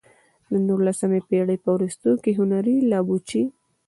د نولسمې پېړۍ په وروستیو کې هنري لابوچي.